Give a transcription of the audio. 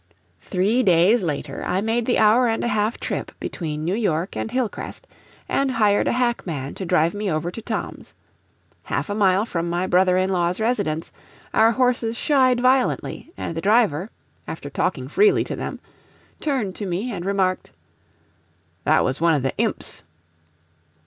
Three days later I made the hour and a half trip between New York and Hillcrest, and hired a hackman to drive me over to Tom's. Half a mile from my brother in law's residence, our horses shied violently, and the driver, after talking freely to them, turned to me and remarked: "That was one of the 'Imps.'"